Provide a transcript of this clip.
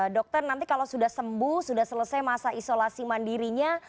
dokter nanti kalau sudah sembuh sudah selesai masa isolasi mandirinya